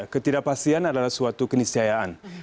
ketidakpastian adalah suatu kenisjayaan